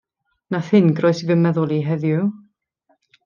Nath hyn groesi fy meddwl i heddiw.